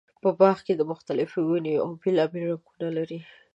په باغ کې مختلفې ونې وي او بېلابېل رنګونه لري.